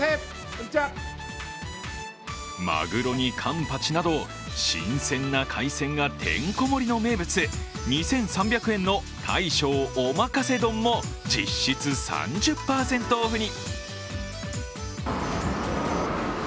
マグロにカンパチなど新鮮な海鮮がてんこ盛りの名物、２３００円の大将おまかせ丼も実質３０％オフに。